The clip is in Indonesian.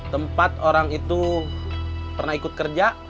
tempat orang itu pernah ikut kerja